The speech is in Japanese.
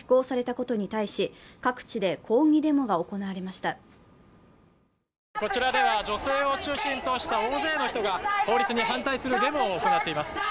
こちらでは女性を中心とした大勢の人が法律に反対するデモを行っています。